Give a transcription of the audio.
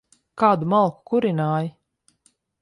Kādu malku kurināji?